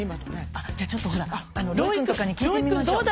あっじゃあちょっとほらロイ君とかに聞いてみましょう。